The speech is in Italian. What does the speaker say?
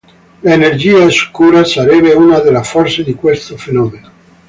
L'energia oscura sarebbe una delle forze di questo fenomeno.